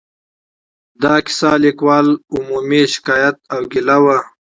د کیسه لیکوالو عمومي شکایت او ګیله وه.